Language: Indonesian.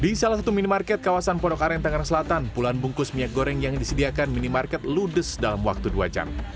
di salah satu minimarket kawasan ponokaren tangerang selatan puluhan bungkus minyak goreng yang disediakan minimarket ludes dalam waktu dua jam